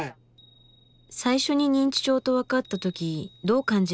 最初に認知症と分かった時どう感じられたんですか？